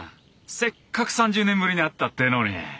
せっかく３０年ぶりに会ったってぇのに。